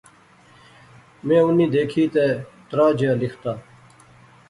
میں انیں دیکھی تہ ترہا جیا لختا